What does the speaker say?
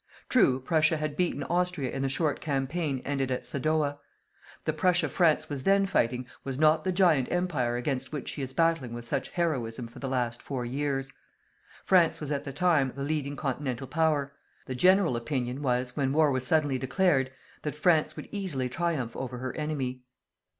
True Prussia had beaten Austria in the short campaign ended at Sadowa. The Prussia France was then fighting was not the giant Empire against which she is battling with such heroism for the last four years. France was at the time the leading continental Power. The general opinion was, when war was suddenly declared, that France would easily triumph over her enemy.